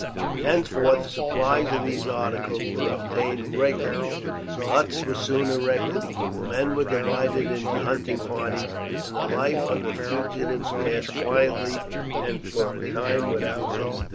Henceforth supplies of these articles were obtained regularly. Huts were soon erected; the men were divided into hunting parties, and the life of the fugitives passed quietly, and for a time without incident.